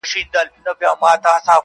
اوس چي د مځكي كرې اور اخيستـــــى.